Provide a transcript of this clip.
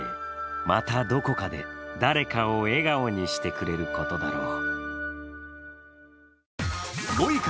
またどこかで、誰かを笑顔にしてくれることだろう。